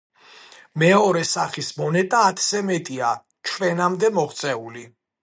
მეორე სახის მონეტა ათზე მეტია ჩვენამდე მოღწეული.